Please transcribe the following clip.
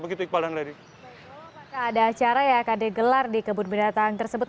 apakah ada acara kd gelar di kebun beneran tahan tersebut